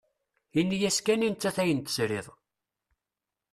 Ini-as kan i nettat ayen tesrid.